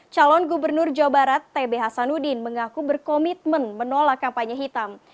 calon gubernur jawa barat tb hasanuddin mengaku berkomitmen menolak kampanye hitam